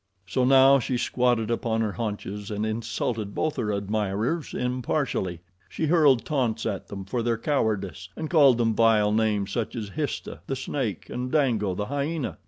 So now she squatted upon her haunches and insulted both her admirers impartially. She hurled taunts at them for their cowardice, and called them vile names, such as Histah, the snake, and Dango, the hyena.